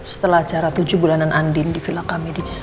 setelah acara tujuh bulanan andin di villa kami di cisada